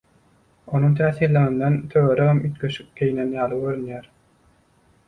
Onuň täsinliginden töweregem üýtgeşik geýnen ýaly görünýär.